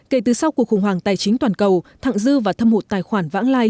kể từ sau cuộc khủng hoảng tài chính toàn cầu thẳng dư và thâm hụt tài khoản vãng lai